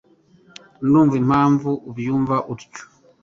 Ndumva impamvu ubyumva utyo.